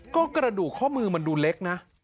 ก็กระดูกข้อมือมันดูเล็กนะ